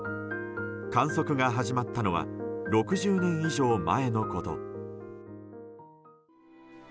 観測が始まったのは６０年以上前のこと。